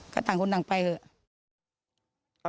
ก็ต่างคนต่างไปเถอะ